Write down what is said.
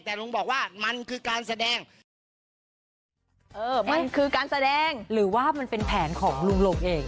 แต่ลุงบอกว่ามันคือการแสดงเออมันคือการแสดงหรือว่ามันเป็นแผนของลุงลงเอง